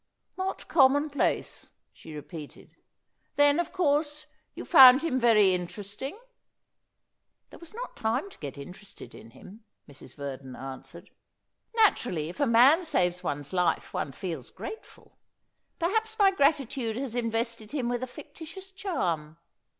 "Not commonplace," she repeated; "then, of course, you found him very interesting?" "There was not time to get interested in him," Mrs. Verdon answered. "Naturally if a man saves one's life one feels grateful. Perhaps my gratitude has invested him with a fictitious charm."